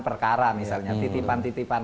perkara misalnya titipan titipan